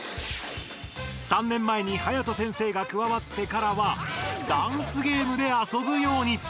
３年前にはやと先生が加わってからはダンスゲームであそぶように。